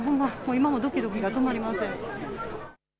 今もどきどきが止まりません。